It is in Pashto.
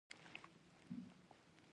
تاسو څنګه بریالي کیدی شئ؟